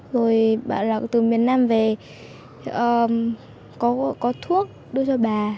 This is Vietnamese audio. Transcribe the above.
rồi bảo là từ miền nam về có thuốc đưa cho bà